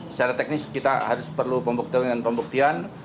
secara teknis kita harus perlu pembuktian dan pembuktian